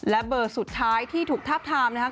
และเบอร์สุดท้ายที่ถูกทาบทามนะครับ